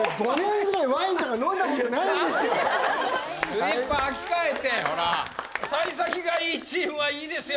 スリッパ履き替えてほらさい先がいいチームはいいですよ